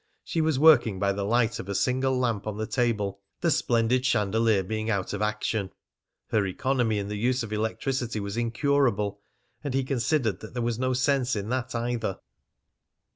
She was working by the light of a single lamp on the table, the splendid chandelier being out of action. Her economy in the use of electricity was incurable, and he considered that there was no sense in that either.